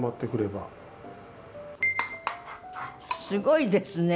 すごいですね。